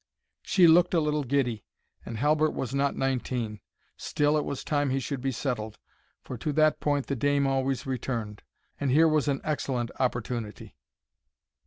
She looked a little giddy, and Halbert was not nineteen; still it was time he should be settled, for to that point the dame always returned; and here was an excellent opportunity.